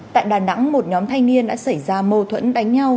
tại đà nẵng một nhóm thanh niên đã xảy ra mâu thuẫn đánh nhau